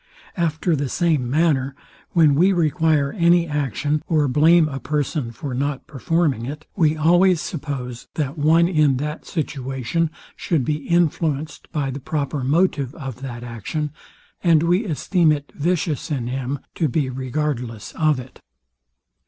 After the same manner, when we require any action, or blame a person for not performing it, we always suppose, that one in that situation should be influenced by the proper motive of that action, and we esteem it vicious in him to be regardless of it.